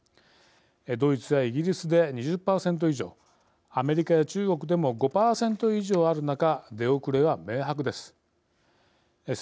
ドイツやイギリスで２０％以上アメリカや中国でも５％以上ある中出遅れは明白です。